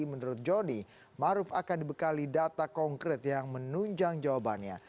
menurut joni maruf akan dibekali data konkret yang menunjang jawabannya